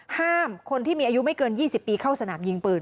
ห้ามคนที่มีอายุไม่เกิน๒๐ปีเข้าสนามยิงปืน